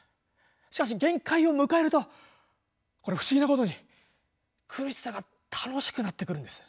しかし限界を迎えるとこれ不思議なことに苦しさが楽しくなってくるんです。